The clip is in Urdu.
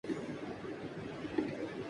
کوئی سوال ھے جس کو جواب مِلتا نیں